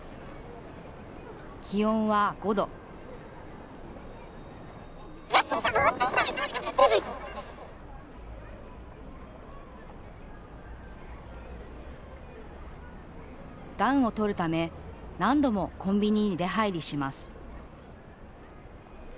気温は５度暖をとるため何度もコンビニに出入りします。